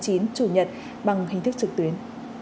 chủ nhật bằng hình thức trực tuyến